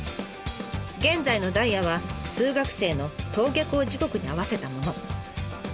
現在のダイヤは通学生の登下校時刻に合わせたもの。